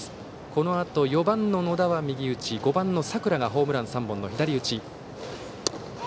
このあと４番の野田は右打ち５番の佐倉がホームラン３本の左打ち。